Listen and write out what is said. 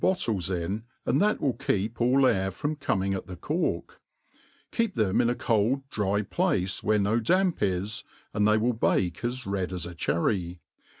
bottles in, and that will keep all air from comirtg at the cork, keep them in a cold dry place where no damp is, and they will bake as red as a cherry.